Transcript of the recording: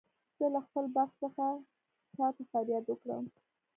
زه له خپل بخت څخه چا ته فریاد وکړم.